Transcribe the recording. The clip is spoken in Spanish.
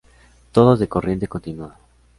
Todos de Corriente Continua.